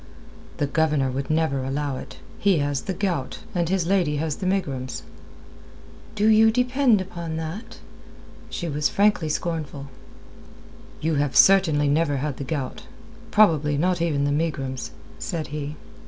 "The Governor would never allow it. He has the gout, and his lady has the megrims." "Do you depend upon that?" She was frankly scornful. "You have certainly never had the gout; probably not even the megrims," said he.